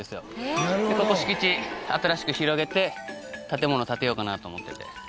ここ敷地新しく広げて建物建てようかなと思ってて。